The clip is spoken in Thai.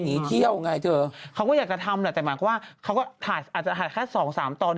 หนีเที่ยวไงเธอเขาอยากจะทำหลักแต่ใหมา่กว่าเขาด้านอาจจะหาแค่สองสามตอน